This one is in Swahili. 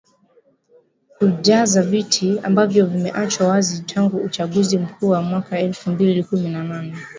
kujaza viti ambavyo vimeachwa wazi tangu uachaguzi mkuu wa mwaka elfu mbili kumi na nane